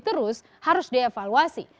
terus harus dievaluasi